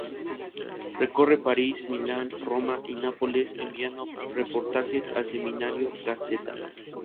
Recorre París, Milán, Roma y Nápoles, enviando reportajes al semanario Gaceta Ilustrada.